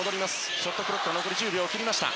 ショットクロックは残り１０秒を切りました。